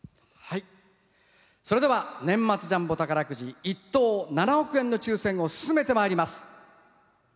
それでは年末ジャンボ宝くじ１等７億円の抽せんを進めてまいります。